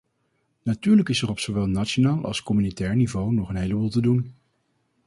Natuurlijk is er op zowel nationaal als communautair niveau nog een heleboel te doen.